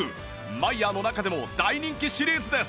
マイヤーの中でも大人気シリーズです